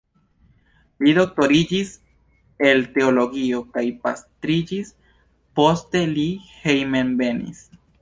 Li doktoriĝis el teologio kaj pastriĝis, poste li hejmenvenis.